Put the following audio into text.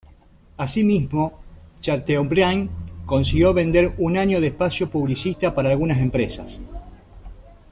Así mismo, Chateaubriand consiguió vender un año de espacio publicista para algunas empresas.